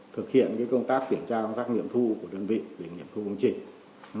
thực hiện công tác kiểm tra công tác nghiệp thu của đơn vị để nghiệp thu công trình